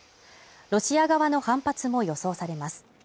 ロシア側の反発も予想されます。